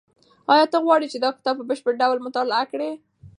ایا ته غواړې چې دا کتاب په بشپړ ډول مطالعه کړې؟